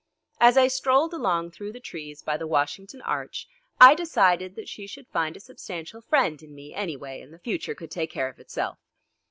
As I strolled along through the trees by the Washington Arch, I decided that she should find a substantial friend in me, anyway, and the future could take care of itself.